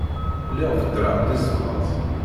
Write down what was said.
Lliɣ beddreɣ-d izmaz.